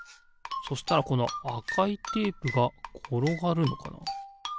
そしたらこのあかいテープがころがるのかな？